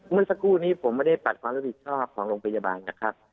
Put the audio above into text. เมื่อสักครู่นี้ผมไม่ได้ปัดความรับผิดชอบของโรงพยาบาลนะครับ